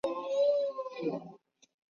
苏氏私塾的历史年代为清代。